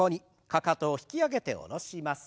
かかとを引き上げて下ろします。